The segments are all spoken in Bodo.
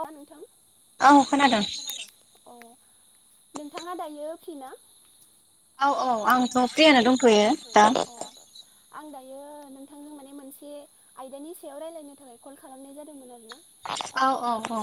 अ नोंथां ओं खोनादों अ नोंथाङा दायो फ्रि ना औ औ आंथ' फ्रियनो दंथ'यो दा आं दायो नोंथांजों माने मोनसे आयदानि सायाव रायलायनो थाखाय कल खालामनाय जादोंमोन आरो ना औ औ औ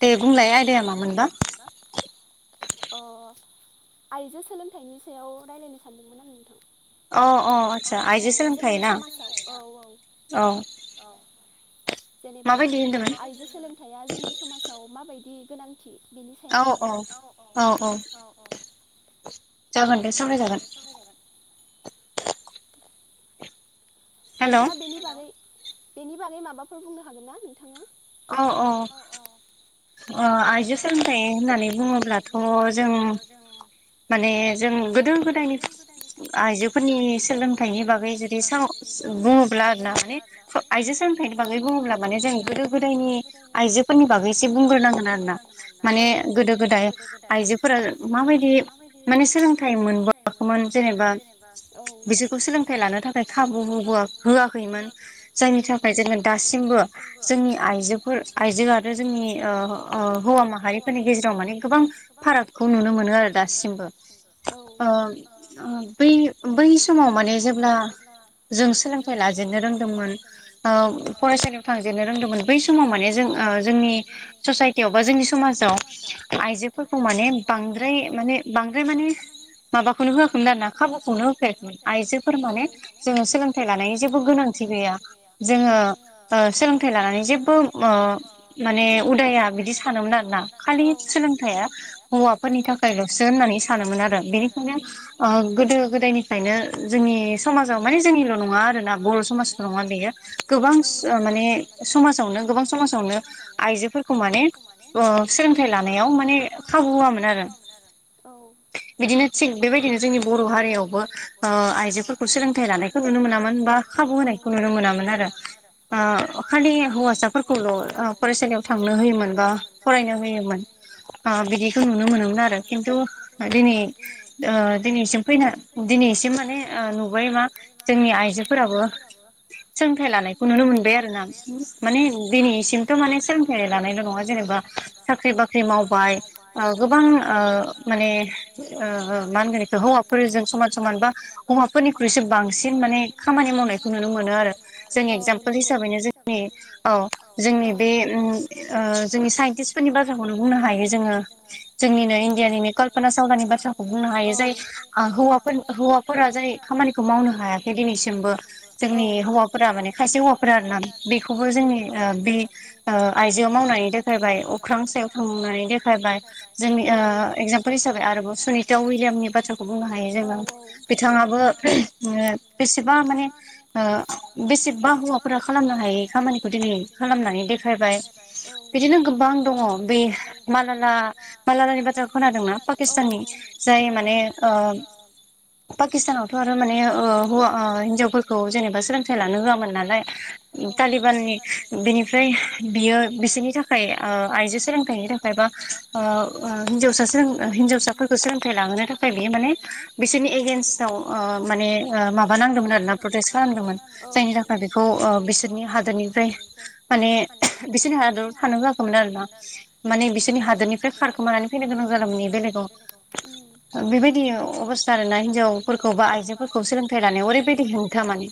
दे बुंलाय आयदाया मामोनबा आइजो सोलोंथाइनि सायाव रायज्लायनो सानदोंमोन आंओ नोंथां अ अ आस्सा आइजो सोलोंथाइ ना औ औ जेनेबा आइजो सोलोंथाइया जोंनि समाजाव माबायदि गोनां थि बेनि सायाव आरो औ औ औ औ जागोन दे सावराय जागोन नोंथाङा बेनि बागै बेनि बागै माबाफोर बुंनो हागोनना अ अ अ आयजो सोलोंथाइ होननानै बुङोब्लाथ' जों माने जों गोदो गोदायनि आइजोफोरनि सोलोंथाइनि बागै जुदि साव बुङोब्ला आरोना माने आइजो सानफ्रायनि बागै बुङोब्ला माने जों गोदो गोदायनि आइजोफोरनि बागै एसे बुंग्रोनांगोन आरोना माने गोदो गोदाय आइजोफोरा माबायदि माने सोलोंथाइ मोन होबोआखैमोन जेनेबा बिसोरखौ सोलोंथाइ लानो थाखाय खाबु होबोआ होआखैमोन जायनि थाखाय जोङो दासिमबो जोंनि आइजोफोर आइजोआ आरो जोंनि ओ ओ हौवा माहारिफोरनि गेजेराव माने गोबां फारागखौ नुनो मोनो आरो दासिमबो ओ बै बै समाव माने जेब्ला जों सोलोंथाइ लाजेननो रोंदोंमोन ओ फरायसालियाव थांजेननो बै समाव माने जों ओ जोंनि ससाइटियाव बा जोंनि समाजाव आइजोफोरखौ माने बांद्राय माने बांद्राय माने माबा खौनो होआखैमोन आरो ना खाबुखौनो होफायाखैमोन आइजोफोर माने जोङो सोलोंथाइ लानायनि जेबो गोनांथि गैया। जोङो ओ सोलोंथाइ लानानै जेबो ओ माने उदाया। [unintelligible] बिदि सानोमोन आरोना खालि सोलोंथाइआ हौवाफोरनि थाखायल'सो होननानै सानोमोन आरो बेनि बिदिनो ओ गोदो गोदायनिफ्रायनो जोंनि समाजाव माने जोंनिल' नङा आरो ना बर' समा [unintelligible] नङा बेयो गोबां माने समाजावनो गोबां समाजावनो आइजोफोरखौ माने फोरखौ माने ओ सोलोंथाइ लानायाव माने खाबु होआमोन आरो औ बिदिनो थिग बेबायदिनो जोंनि बर' हारियावबो ओ आइजोफोरखौ सोलोंथाइ लानायखौ नुनो मोनामोन बा खाबु होनायखौ नुनो मोनामोन आरो ओ खालि हौवसा फोरखौल' ओ फरायसालियाव थांनो हो योमोन बा फरायनो होयोमोन ओ बिदिखौ नुनो मोनोमोन आरो खिन्थु दिनै ओ दिनैसिम फैना दिनैसिम माने ओ नुबाय मा जोंनि आइजोफोराबो [unintelligible] सोलोंथाइ लानायखौ नुनो मोनबाय आरो ना माने दिनैसिमथ' माने सोलोंथाइ ला नायल' ना जेनेबा साख्रि बाख्रि मावबाय ओ गोबां ओ माने ओ ओ मा होनगोन इखौ हौवाफोरजों समान समान बा हौवाफोरनिख्रुइसो बांसिन माने खामानि मावनाय नुनो मोनो आरो जों एगजामपोल हिसाबैनो जोंनि औ जोंनि बे उम ओ जोंनि साइन्टिस फोरनि बाथ्राखौनो बुंनो हायो जोङो जोंनिनो इण्डियानिनो कल्पना सावलानि बाथ्राखौ। बुंनो हायो जाय हौवाफोर हौवाफोरा जाय खामानिखौ मावनो हायाखै दिनैसिमबो जोंनि हौवाफोरा माने खायसे हौवाफोरा आरो ना बेखौबो जोंनि ओ बे ओ आइजोआव मावनानै देखायबाय अख्रां सायाव थांनानै देखायबाय जोंनि ओ एकजामफोल हिसाबै आरोबाव सु निता उइलियामनि बाथ्राखौ बुंनो हायो जोङो बिथाङाबो बेसेबा माने ओ बेसेबा हौवाफोरा खालामनो हायै खामानिखौ दिनै खालामनानै देखायबाय। बिदिनो गोबां दङ बे मालाला मालालानि बाथ्रा खोनादोंना पाकिस्ताननि। जाय माने ओ पाकिस्तानावथ' आरो माने ओ हौवा हिनजावफोरखौ जेनेबा सोलोंथाइ लानो होआमोन नालाय तालिबाननि बिनिफ्राय बियो बिसोरनि थाखाय ओ आइजो सोलोंथाइनि थाखाय बा ओ हिन्जावसा सो हिनजावसाफोर खौ सोलोंथाइ लाहोनो थाखाय बियो माने बिसोरनि एगेेनस्टाव ओ माने माबा नांदोंमोन आरोना [unintelligible] खालामदोंमोन जायनि थाखाय बेखौ बिसोरनि हादोरनिफ्राय माने बिसोरनि हादोराव थानो होयाखैमोन आरो आरोना माने बिसोरनि हादोरनिफ्राय खारखोमानानै फैनो गोनां जादोंमोन बे बेलेगाव ओ बेबायदि अबस्था आरोना हिनजावफोरखौ बा आइजोफोरखौ सोलोंथाइ लानायाव ओरैबायदि हेंथा माने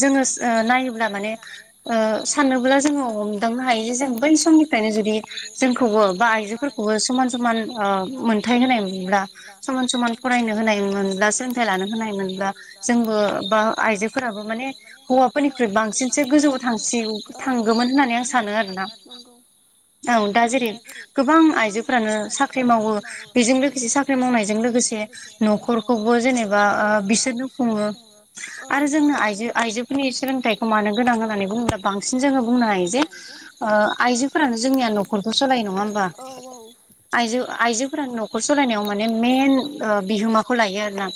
जोङो ओ नायोब्ला माने ओ सानोब्ला दा जोङो हमदांनो हायो जे जों बै समनिफ्रायनो जुदि जोंखौबो बा आइजोफोरखौबो समान समान ओ मोनथाय होनायमोनब्ला समान समान फरायनो होनायमोनब्ला सोलोंथाइ लानो होनायमोनब्ला जोंबो बा आइजोफोराबो माने हौवाफोरनिख्रुइ बांसिनसो गोजौआव थांसि थांगौमोन होननानै आं सानो आरोना। औ दा जेरै गोबां आइजोफोरानो साख्रि मावो बेजों लोगोसे साख्रि मावनायजों लोगो से न'खरखौबो जेनेबा ओ बिसोरनो खुङो आरो जोंनो आइजो आइजो नि सोलोंथाइखौ मानो गोनां होननानै बुङोबा बांसिन जोङो बुंनो हायो जे ओ आइजोफोरानो जोंनिया न'खरखौ सालायो नङा होमबा। आयजो आइजोफोरा न'खर सलायनायाव माने मेन ओ बिहोमाखौ लायो आरोना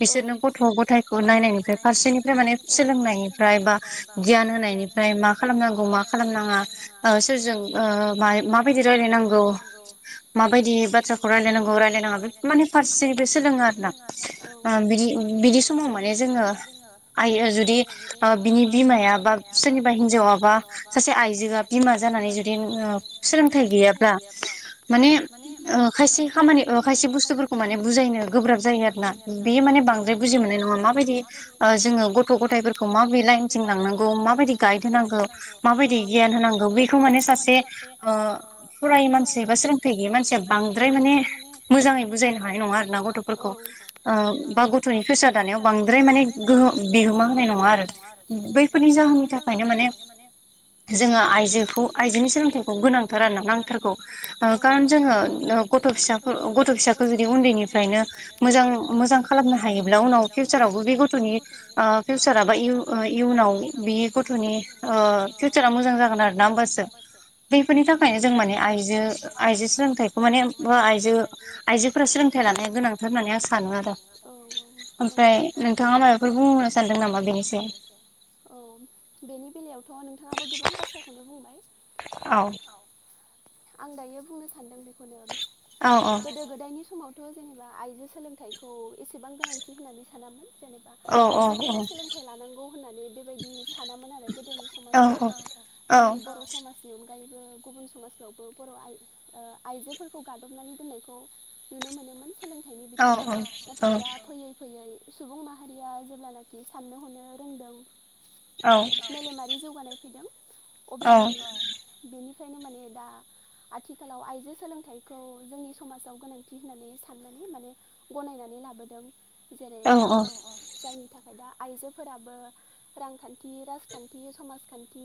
बिसोरनो गथ' गथायखौ नायनायनिफ्राय फारसेनिफ्राय माने सोलोंनायनिफ्राय बा गियान होनायनिफ्राय मा खालामनांगौ मा खालामनाङा ओ सोरजों ओ माबायदि रायलायनांगौ माबायदि बाथ्राखौ रायलायनांगौ रायलायनाङा बे माने फारसेनिफ्रा सोलोङो आरोना ओ बिदि बिदि समाव माने जोङो आइ जुदि बिनि बिमाया बा सोरनिबा हिनजावा बा सासे आइजोआ बिमा जानानै जुदि सोलोंथाइ गैयाब्ला माने ओ खायसे खामानि ओ खायसे बुस्थुफोरखौ माने बुजायनो गोब्राब जायो आरो ना बे माने बां बांद्राय बुजि मोननाय नङा माबादि ओ जोङो गथ' गथायफोरखौ माब लाइनजों लांनांगौ माबादि गाइड नांगो माबायदि गियान होनांगौ बेखौ मान सासे ओ फरायि मानसि बा सोंलोंथा मानसिया बांद्राय माने मोजाङै बुजायनो हानाय नङा आरो ना गथ'फोरखौ। ओ बा गथ'नि फैसा दानायाव बांद्राय माने गोहोम बिहोमा होनाय नङा आरो। बैफोरनि जाहोननि थाखायनो माने [unintelligible] जोंहा आइजोखौ आइजोनि सोलोंथाइखौ गोनांथार आरोना नांथारगौ। खारन जोङो ग थ' फिसाख- गथ' फिसाखौ जुदि उन्दैनिफ्रायनो मोजां- मोजां खालामनो हायोब्ला उनाव फिउचार आवबो बे गथ'नि ओ फिउसाराबा इउ- चुनाव बि गथ'नि ओ फिउचारा मोजां जागोन आरोना होमबासो। बैफोरनि थाखायनो जों माने आइजो आइजो सोलोंथाइखौ माने आइजो- आइजोफोरा सोलोंथाइ लानाया गोनांथार होननानै आं सानो आरो। औ औ नंगौ। ओमफ्राय नोंथाङा माबाफोर बुंनो सानदों नामा बेनोसै? औ बेनि बेलायावथ' नोंथाङाबो गोबां बाथ्राखौनो बुंबाय, औ। आं दायो बुंनो सानदों बेखौनो गोदो गोदायनि समाव थ' जेनेबा आइजो सोलोंथाइखौ एसेबां गोनांथि होननानै सानामोन। जेनेबा आइजोफोरा सोलोंथाइ लानांगौ होननानै बेबायदि सानामोन आरो गोदोनि समाजाव, जोंनि बर' समाजनि गायबो गुबुन समाजफ्रावबो बर' आइ- आइजोफोरखौ गादबनानै दोननायखौ नुनो मोनोमोन सोलोंथाइनि बिथिङाव। नाथाय दा फैयै फैयै सुबुं माहारिया जेब्लानाखि साननो हनो रोंदों मेलेमारि जौगानाय फैदों अब्लानि बेनिफ्रायनो माने दा आथिखालाव आइजो सोलोंथाइखौ जोंनि समाजाव गोनांथि होननानै साननानै माने गनायनानै लाबोदों जेरै जायनि थाखाय दा आइजोफोराबो रांखान थि राजखान्थि, समाजखान्थि,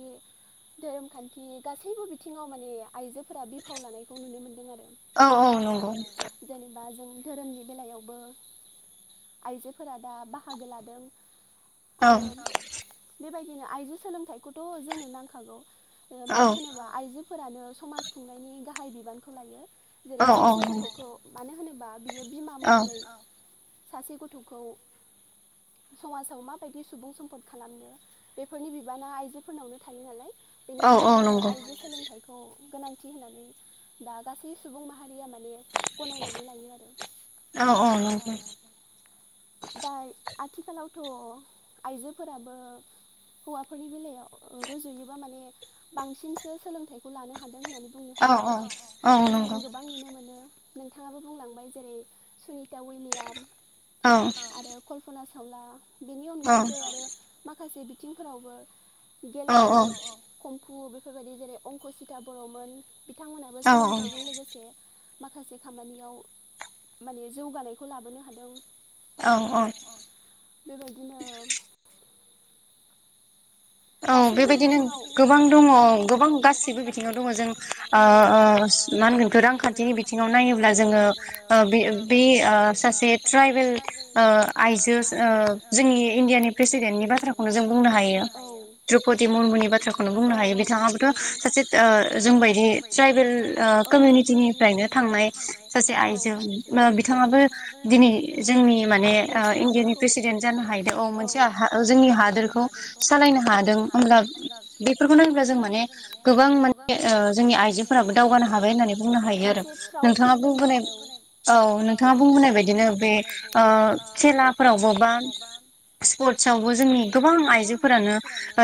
धोरोम खान्थि गासैबो बिथिङाव माने आइजो फोरा बिफाव लानायखौ नुनो मोनदों आरो। औ औ। जाय बा जों धोरोमनि बेलायावबो आइजोफोरा दा बाहागो लादों, आरो बेबायदिनो आइजो सोलोंथाइखौथ' जोंनो नांखागौ। मानो होनोबा आइजोफोरानो समाज खुंनायनि गाहाय बिबानखौ लायो। जेरै सासे गथ'खौ मानो होनोबा बियो बिमा महरै सासे गथ'खौ समाजाव माबायदि सुबुं सम्फद खालामनो बेफोरनि बिबाना आइजोफोरनावनो थायो नालाय बेनिखायनो जोङो आइजो सोलोंथाइखौ गोनांथि होननानै दा गासै सुबुं माहा रिया माने गनायनानै लायो आरो। औ औ औ। दाय आथिखालावथ' आइजोफोराबो हौवाफोरनि बेलायाव रुजुयोबा माने बांसिनसो सोलोंथाइखौ लानो हा दों होननानै बुंनो हायो आरो। दाथ' जों गोबां नुनो मोनो नोंथाङाबो बुंलांबाय जेरै सुनिता उइलियाम आरो कल्पना चावला बेनि अनगायैबो आरो माखासे बिथिंफोरावबो गेलेनाय खमफु बेफोरबायदि जेरै अंकसिता बर'मोन बिथांमोनाबो सोलोंथाइजों लोगोसे माखासे खामानियाव माने जौगानायखौ लाबोनो हादों। औ औ। बेबायदिनो औ बेबायदिनो गोबां दङ गोबां गासिबो बिथिङाव दङ जों ओ ओ मा होनगोन इखो रांखान्थिनि बिथिङाव नायोब्ला जोङो ओ बे ओ सासे ट्रराइबेल ओ आइजो जोंनि इण्डियानि प्रेसिडेन्टनि बाथ्राखौनो जों बुंनो हायो। द्रौपदि मुरमुनि बाथ्राखौनो बुंनो हायो बिथाङाबोथ' सासे ओ जोंबायदि ट्राइबेल ओ कमिउनिटिनिफ्रायनो थांनाय सासे आइजो, बिथाङाबो दिनै जोंनि माने ओ इण्डियानि प्रेसिडेन्टनि जानो हायोदो औ मोनसे हा-जोंनि हादोरखौ सालाय दों होमब्ला बेफोरखौ नायब्ला जों माने गोबां मान ओ जोंनि आइजोफोराबो दावगानो हाबाय। मोनसे प्राउद फिल जायो आरो। औ नोंथाङा बुंबोनाय बायदिनो बे ओ खेलाफोरावबो बा स्पर्टसआवबो जोंनि गोबां आइजोफोरानो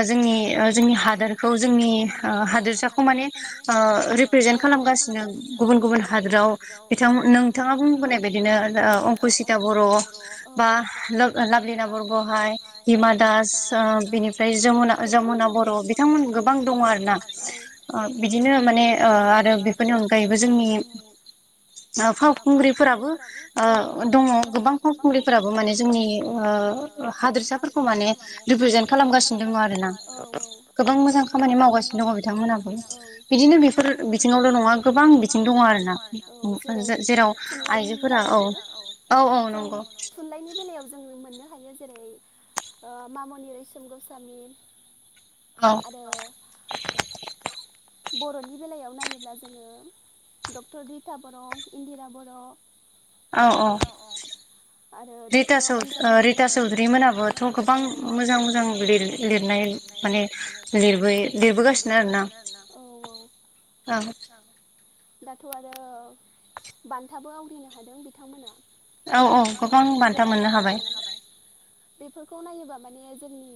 जोंनि ओ जोंनि हादोरखौ जोंनि ओ हादोरसाखौ माने ओ रिप्रेजेनत खालामगोन गासिनो गुबुन गुबुन हादोराव बिथां नोंथाङा बुंबोनाय बायदिनो अंकुसिता बर' बर'आव औ बा लातिना बरगहाय सिमां दास बिनि बेनिफ्राय जमुना बर' बिथांमोन गोबां दङ आरो दा बिदिनो माने ओ आरो बेफोरनि अनगायैबो जोंनि ओ फावखुंग्रिफोराबो ओ दङ गोबां फावखुंग्रिफोराबो माने जोंनि ओ हादोर साफोरखौ रिप्रेजेन खालामगा सिनो दंङो आरो ना गोबां मोजां खामानि मावगासिनो दङ बिथांमोनाबो बिदिनो बेफोर बि बिथिङावल' नङा गोबां बिथिं दङ आरोना जेराव आइजोफोरा औ औ। जों थुनलाइनि बेलायाव जोंङो मोननो हायो जेरै ओ मामनि रैसोम गौसामि आरो बर'नि बेलायाव नायोब्ला जोङो डक्टर रिता बर' इन्दिरा बर' औ औ। आरो डक्टर अनजालि दैमारि रिता सौधुरि मोनाबो औ मोजां मोजां लिर-लिरनाय माने लिरबोयो लिरबोगासिनो आरोना औ औ। दाथ' आरो बान्थाबो आवग्रिनो हादों बिथांमोना। औ औ गोबां मादा मोननो हाबाय बे खौ नायोबा माने जोंनि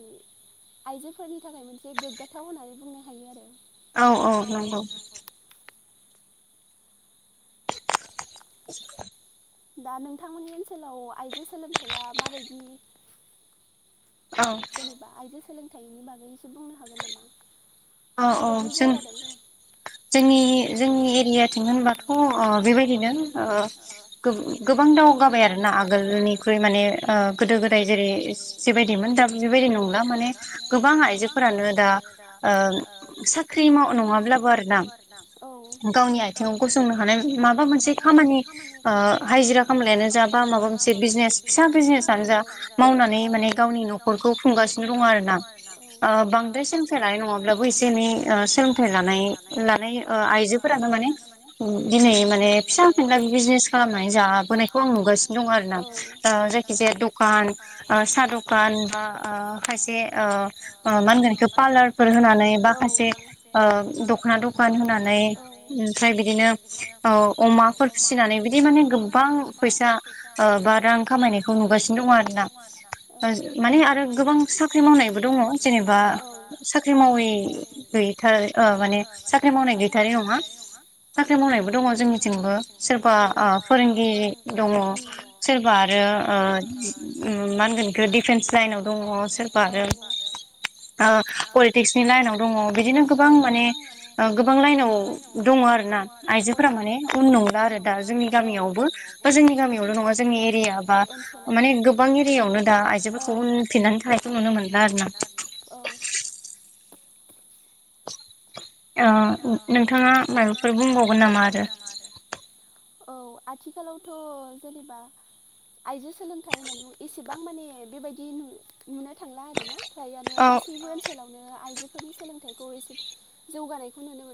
आइजोफोरनि थाखाय मोनसे गोग्गाथाव होननानै बुंनो हायो आरो। औ औ औ नंगौ। [inaudible] दा नोंथांमोननि ओनसोलाव आइजो सोलोंथाइया माबायदि जेनेबा आइजो सोलोंथाइनि बागैसो बुंनो हागोन नामा। औ औ जों जोंनि जोंनि एरियाथिं होनबाथ' बेबायदिनो ओ गोबां गोबां दावगाबाय आरो ना आगोलनिख्रुइ माने ओ गोदो गोदाय जेरै जेबायदि दा बेबायदि नंला माने गोबां आइजोफोरानो दा ओ साख्रि माव नङाब्लाबो आरोना गावनि आथिङाव गसंनो हानाय माबा मोनसे खामानि ओ हाजिरा खामलायानो जा बा माबा मोनसे बिजनेज फिसा बिजनेनो जा माव मावनानै माने गावनि नखरखौ खुंगासिनो दं आरो ना ओ बांद्राय सेंसायनानै नंब्लाबो एसे एनै ओ सोलोंथाइ लानाय लानाय ओ आइजोफोरानो माने दिनै माने फिसा फिनला बिजनेस खालामनानै जाबोनायखौ आं नुगासिनो दं आरो ना ओ जायखि जाया दखान ओ साहा दखान बा ओ खायसे ओ मा होनगोन बिखो पार्लार फोर होनानै माखासे ओ दखना दखान होनानै ओमफ्राय बिदिनो औ अम माफोर फिसिनानै बिदि माने गोबां फैसा ओ बा रां खामायनायखौ नुगासिनो दङ आरोना। [unintelligible] माने आरो गोबां साख्रि मावनाय गैथार माने साख्रि मावनाय गैथारै नङा साख्रि मावनायबो दङ जोंनिथिंबो सोरबा ओ फोरोंगिरि दङ सोरबा आरो मा होनगोन दिफेन्स लायेनाव दंङ सोरबा आरो पलितिकसनि लायेनाव दङ बिदिनो गोबां माने गोबां लाइनाव दङ आरोना आइजोफोरा माने नुला आरो दा जोंनि गामियावबो जोंनि गामियावल' नंङा जोंनि एरियावबा गोबां एरिया गोबां एरियावनो दा औ मसिफोरखौ उनफिननानै थानायखौ नुनो मोनदों आरो ना औ नोंथाङा माबाफोर बुंबावगोन नामा आरो औ आथिखालावथ' जेनेबा आइजो सोलोंथाइ होननानै एसेबां माने बेबायदि नुनो थांला आरो ना फ्रायानो गासैबो ओनसोलावनो आइजोफोरनि सोलोंथाइखौ एसे जौगानायखौ नुनो मोनबाय